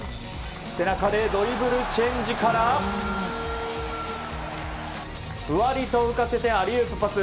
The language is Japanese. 背中でドリブルチェンジからふわりと浮かせてアリウープパス。